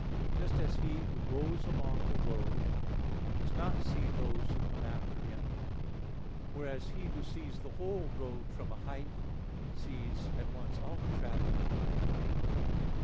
Just as he who goes along the road, does not see those who come after him; whereas he who sees the whole road from a height, sees at once all travelling by the way.